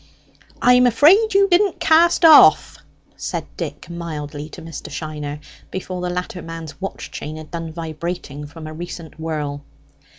"I'm afraid you didn't cast off," said Dick mildly to Mr. Shiner, before the latter man's watch chain had done vibrating from a recent whirl.